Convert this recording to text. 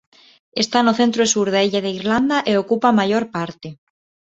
Está no centro e sur da illa de Irlanda e ocupa a maior parte.